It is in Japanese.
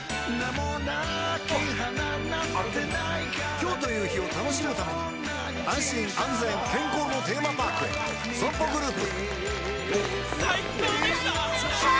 今日という日を楽しむために安心安全健康のテーマパークへＳＯＭＰＯグループ